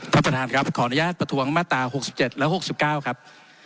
ท่านประธานครับขออนุญาตประท้วงมาตรา๖๗และ๖๙ครับ